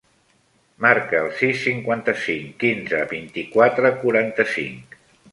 Marca el sis, cinquanta-cinc, quinze, vint-i-quatre, quaranta-cinc.